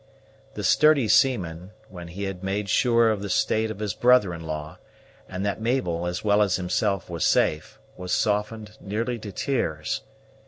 The sturdy seaman, when he had made sure of the state of his brother in law, and that Mabel, as well as himself, was safe, was softened nearly to tears.